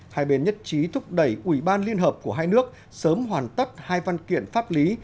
hai bên nhất trí thúc đẩy ủy ban liên hợp của hai nước sớm hoàn tất hai văn kiện pháp lý